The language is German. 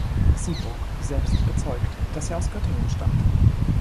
Sieburg selbst bezeugt, dass er aus Göttingen stammt.